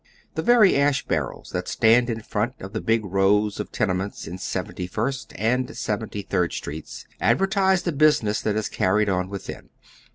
The very ash baiTels tiiat stand in front of the big rows of tenements in Seventy first and Seventy third Streets advertise the business that is carried on within.